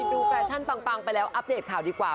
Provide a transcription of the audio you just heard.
แฟชั่นปังไปแล้วอัปเดตข่าวดีกว่า